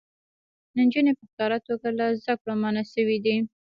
نجونې په ښکاره توګه له زده کړو منع شوې دي.